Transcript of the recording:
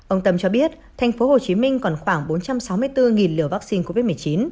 ông tâm cho biết tp hcm còn khoảng bốn trăm sáu mươi bốn liều vaccine covid một mươi chín